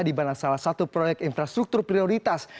dimana salah satu proyek infrastruktur prioritas